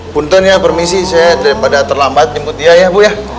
buntun ya permisi saya daripada terlambat jemput dia ya bu ya